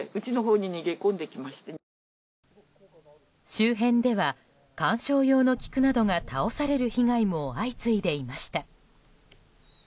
周辺では観賞用の菊などが倒される被害も相次いでいました。